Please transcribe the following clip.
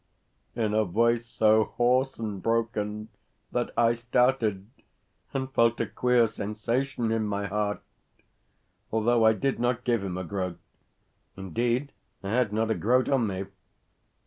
in a voice so hoarse and broken that I started, and felt a queer sensation in my heart, although I did not give him a groat. Indeed, I had not a groat on me.